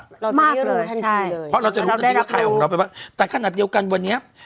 เราจะได้รู้ทันทีเลยเราได้รับรู้ใช่เพราะเราจะรู้ทันทีว่าใครเอาของเราไปบ้างแต่ขนาดเดียวกันวันนี้